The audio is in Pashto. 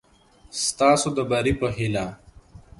ستاسو د بري په هېله